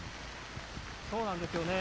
そうなんですよね。